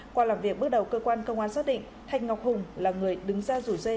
qua làm việc bước đầu cơ quan công an xác định thành ngọc hùng là người đứng ra rủ dê